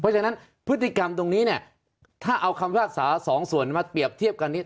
เพราะฉะนั้นพฤติกรรมตรงนี้เนี่ยถ้าเอาคำพิพากษาสองส่วนมาเปรียบเทียบกันนี้